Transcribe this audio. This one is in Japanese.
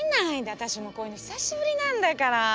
私もうこういうの久しぶりなんだから。